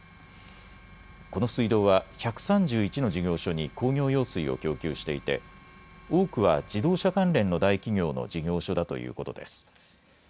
この水道は１３１の事業所に工業用水を供給していて多くは自動車関連の大企業の事業所だということです。